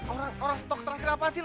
orang orang stok terakhir apa sih